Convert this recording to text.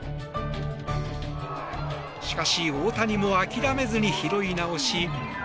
しかし、大谷も諦めずに拾い直し